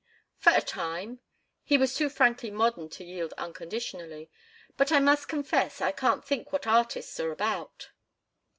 "For a time." He was too frankly modern to yield unconditionally. "But I must confess I can't think what artists are about."